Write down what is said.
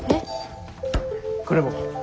これも。